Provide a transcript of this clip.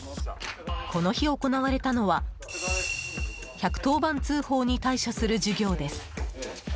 この日、行われたのは１１０番通報に対処する授業です。